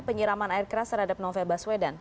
penyiraman air keras terhadap novel baswedan